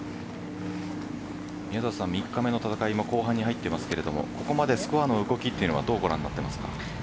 ３日目の戦いも後半に入っていますがここまでのスコアの動きはどうご覧になっていますか？